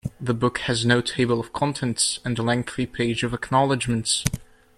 The book has no table of contents and a lengthy page of acknowledgments.